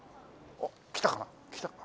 おっ来たかな？